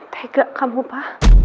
tegak kamu pa